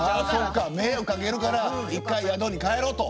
迷惑かけるから一回宿に帰ろと。